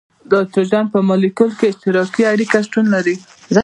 د هایدروجن په مالیکول کې اشتراکي اړیکه شتون لري.